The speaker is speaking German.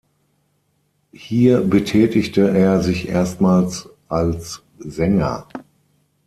Hier betätigte er sich erstmals als Sänger.